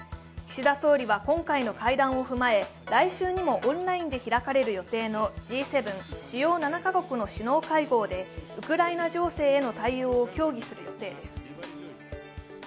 岸田総理は今回の会談を踏まえ来週にもオンラインで開かれる予定のＧ７＝主要７か国の首脳会合でウクライナ情勢への対応を協議する予定です。